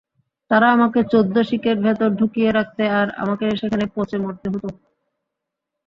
তারা আমাকে চৌদ্দশিকের ভেতর ঢুকিয়ে রাখত আর আমাকে সেখানে পঁচে মরতে হতো।